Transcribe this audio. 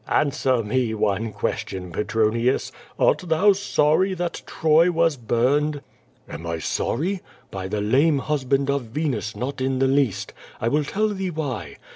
I "Answer me one question, Petronius. Art thou sorry that ! Troy was burned ?*' "Am I sorr)^? By the lame husband of Venus, not in the least. I will tell thee why.